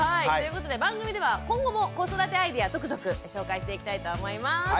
はいということで番組では今後も子育てアイデア続々ご紹介していきたいと思います。